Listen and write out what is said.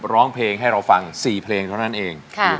ร้องเพลงให้เราฟัง๔เพลงเท่านั้นเอง